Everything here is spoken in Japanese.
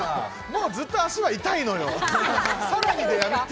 もうずっと足は痛いのよ。